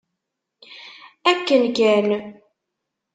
Akken kan.